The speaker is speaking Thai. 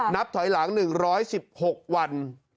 นับถอยหลัง๑๑๖วัน